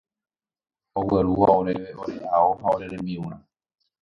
oguerúva oréve ore ao ha ore rembi'urã